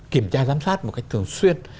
kiểm tra giám sát một cách thường xuyên